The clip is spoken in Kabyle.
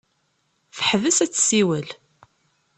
Teḥbes ad tessiwel.